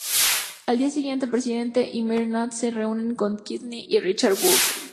Al día siguiente el presidente y Maynard se reúnen con Kinsey y Richard Woolsey.